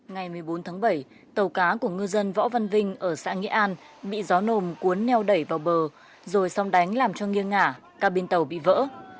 ngày một mươi bốn tháng bảy tàu cá của ngư dân võ văn vinh ở xã nghĩa an bị gió nồm cuốn neo đẩy vào bờ rồi xong đánh làm cho nghiêng ngả ca bên tàu bị vỡ